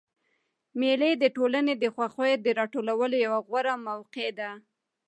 مېلې د ټولني د خوښیو د راټولولو یوه غوره موقع ده.